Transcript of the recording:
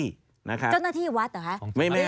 เจ้าหน้าที่วัดเหรอคะ